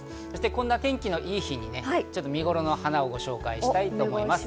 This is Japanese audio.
こんな天気のいい日にちょっと見頃の花をご紹介したいと思います。